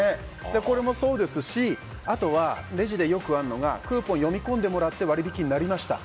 これもそうですしあとは、レジでよくあるのがクーポン読み込んでもらって割引になりました。